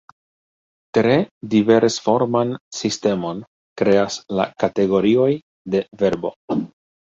Tre diversforman sistemon kreas la kategorioj de verbo.